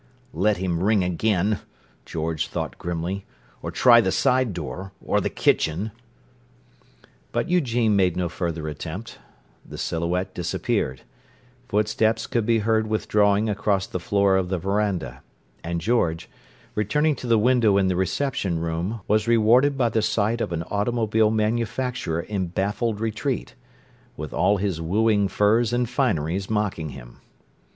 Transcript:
"Let him ring again!" George thought grimly. "Or try the side door—or the kitchen!" But Eugene made no further attempt; the silhouette disappeared; footsteps could be heard withdrawing across the floor of the veranda; and George, returning to the window in the "reception room," was rewarded by the sight of an automobile manufacturer in baffled retreat, with all his wooing furs and fineries mocking him.